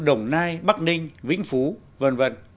đồng nai bắc ninh vĩnh phú v v